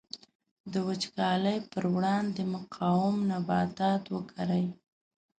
د وچکالۍ پر وړاندې مقاوم نباتات وکري.